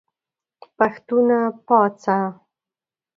پښتونه پاڅه !